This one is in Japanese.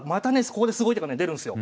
ここですごい手がね出るんすよ。